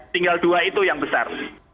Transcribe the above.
tinggal dua itu yang besar